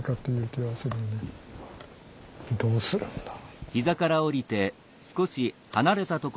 どうするんだ。